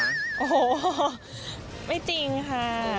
โอ้โหไม่จริงค่ะ